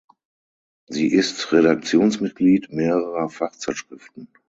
Sie ist Redaktionsmitglied mehrerer Fachzeitschriften.